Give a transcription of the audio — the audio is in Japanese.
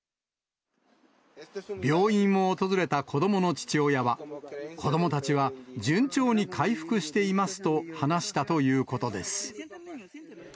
病院を訪れた子どもの父親は、子どもたちは順調に回復していますと話したということです。